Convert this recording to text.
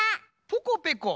ポコペコ。